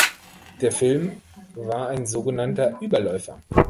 Der Film war ein sogenannter „Überläufer“.